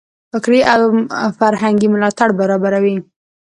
فکري او فرهنګي ملاتړ برابروي.